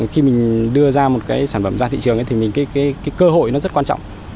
khi mình đưa ra một cái sản phẩm ra thị trường thì cái cơ hội nó rất quan trọng